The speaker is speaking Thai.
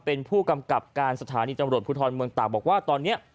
เป็นผู้กำกับการสถานีตำรวจภูทรเมืองตากบอกว่าตอนนี้